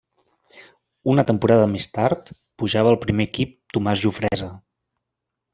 Una temporada més tard pujava al primer equip Tomàs Jofresa.